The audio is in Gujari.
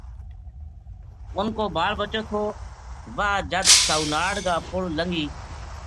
اُنھ کو بال بچو تھو واہ جد ساؤ ناڑ کا پل لنگھی